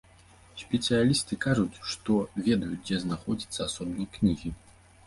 Спецыялісты кажуць, што ведаюць, дзе знаходзіцца асобнік кнігі.